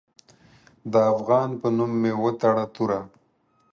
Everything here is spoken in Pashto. د افغان په نوم مې وتړه توره